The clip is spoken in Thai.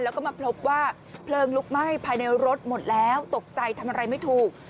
แล้วก็มาพบว่าเพลิงลุกไหม้ภายในรถหมดแล้วตกใจทำอะไรไม่ถูก